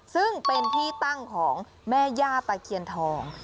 ซึ่งเป็นที่ตั้งของแม่ย่าตะเคียนทอง